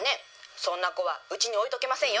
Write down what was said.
そんな子はうちに☎置いとけませんよ。